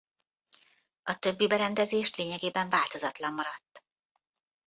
A többi berendezés lényegében változatlan maradt.